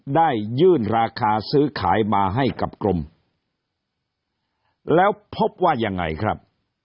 ได้ยื่นราคาซื้อขายมาให้กับกรมแล้วพบว่ายังไงครับ